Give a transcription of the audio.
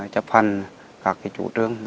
chấp hành các chủ trương